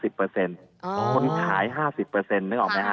คนขาย๕๐นึกออกไหมฮ